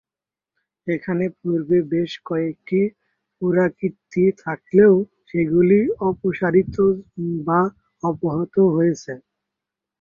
এখানে পূর্বে বেশ কয়েকটি পুরাকীর্তি থাকলেও সেগুলি অপসারিত বা অপহৃত হয়েছে।